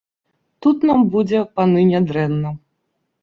Тут нам будзе, паны, нядрэнна.